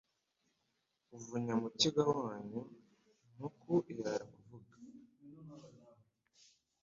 Uvunya Mukiga wanyu, Ntuku irara kuvuka